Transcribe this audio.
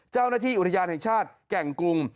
เจ้าหน้าที่อุทยานแห่งชาติแก่งกรุง